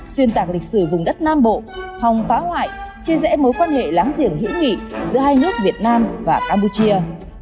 xuyên tạc lịch sử vùng đất nam bộ hòng phá hoại chia rẽ mối quan hệ láng giềng hữu nghị giữa hai nước việt nam và campuchia